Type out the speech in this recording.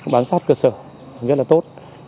bán sát cơ sở rất là tốt